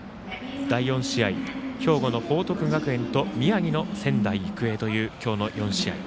第４試合、兵庫の報徳学園と宮城の仙台育英という今日の４試合。